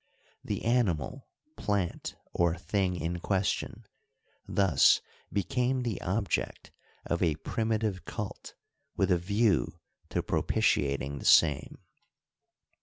The animal, plant, or thing in question thus ecame the object of a primitive cult with a view to pro pitiating the same.